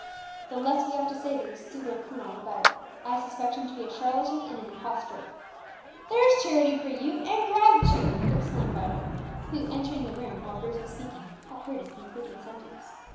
The less we have to say to this pseudo colonel the better; I suspect him to be a charlatan and impostor." "There's charity for you, and gratitude!" exclaimed Vibert, who, entering the room while Bruce was speaking, had heard his concluding sentence.